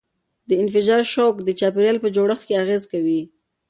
د انفجار شوک د چاپیریال په جوړښت اغېزه کوي.